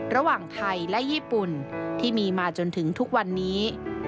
ระหว่างไทยและญี่ปุ่นที่มีมาจนถึงทุกวันนี้